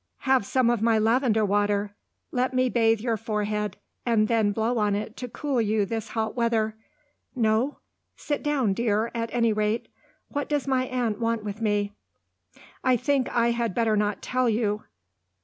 "Have some of my lavender water! Let me bathe your forehead, and then blow on it to cool you this hot weather. No? Sit down, dear, at any rate. What does my aunt want with me?" "I think I had better not tell you."